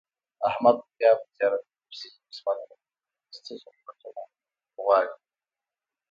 احمد خو بیا په زیارتونو پسې دسمالونه تړي چې څه ضرورتو نه غواړي.